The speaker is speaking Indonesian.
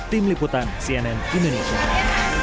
tim liputan cnn indonesia